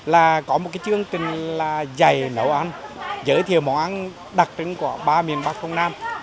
là có một cái chương trình là dày nấu ăn giới thiệu món ăn đặc trưng của ba miền bắc không nam